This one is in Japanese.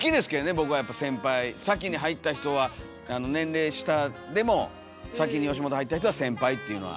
僕はやっぱ先輩先に入った人は年齢下でも先に吉本入った人は先輩っていうのは。